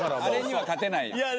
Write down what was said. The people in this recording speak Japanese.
あれには勝てないよ。